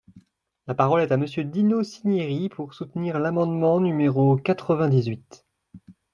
La parole est à Monsieur Dino Cinieri, pour soutenir l’amendement numéro quatre-vingt-dix-huit.